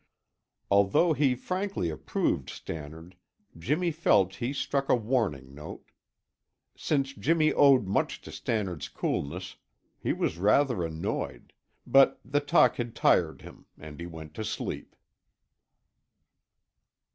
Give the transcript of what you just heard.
Although he frankly approved Stannard, Jimmy felt he struck a warning note. Since Jimmy owed much to Stannard's coolness, he was rather annoyed; but the talk had tired him and he went to sleep.